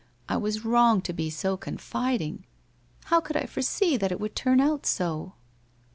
I was wrong to be so confiding. How could I foresee that it would turn out so